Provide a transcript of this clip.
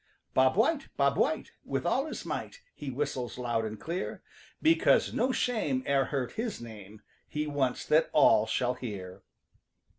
= ```"Bob White! Bob White!" with all his might ````He whistles loud and clear. ```Because no shame e'er hurt his name ```He wants that all shall hear.